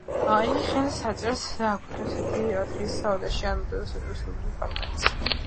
იგი ხელს აწერს და აქვეყნებს ათი დღის ვადაში ან მოტივირებული შენიშვნებით უბრუნებს პარლამენტს